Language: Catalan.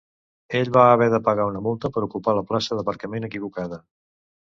Ell va haver de pagar una multa per ocupar la plaça d'aparcament equivocada.